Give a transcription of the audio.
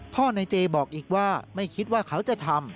ในเจบอกอีกว่าไม่คิดว่าเขาจะทำ